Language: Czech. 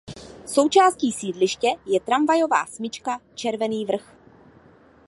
Součástí sídliště je tramvajová smyčka Červený Vrch.